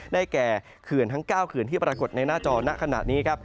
แก่เขื่อนทั้ง๙เขื่อนที่ปรากฏในหน้าจอณะขณะนี้ครับ